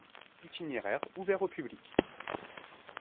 Itinéraire ouvert au public.